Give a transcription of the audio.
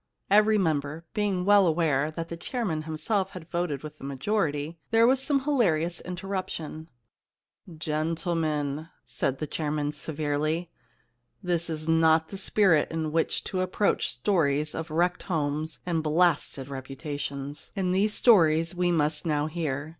Every member being well aware that the chairman himself had voted with the majority, there was some hilarious interruption. * Gentlemen,' said the chairman severely, * this is not the spirit in which to approach stories of wrecked homes and blasted 24 The Kiss Problem reputations, and these stories we must now hear.